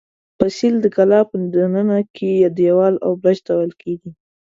فصیل د کلا په دننه کې دېوال او برج ته ویل کېږي.